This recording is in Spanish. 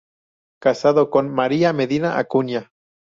Casado con "María Medina Acuña".